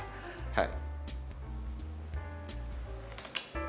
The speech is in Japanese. はい。